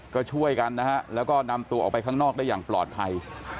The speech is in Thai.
ก็ช่วยกันนะฮะแล้วก็นำตัวออกไปข้างนอกได้อย่างปลอดภัย